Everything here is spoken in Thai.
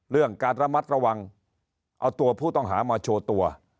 การระมัดระวังเอาตัวผู้ต้องหามาโชว์ตัว